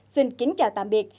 xin kính chào tạm biệt